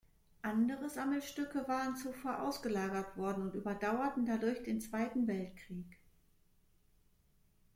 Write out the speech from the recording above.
Andere Sammelstücke waren zuvor ausgelagert worden und überdauerten dadurch den Zweiten Weltkrieg.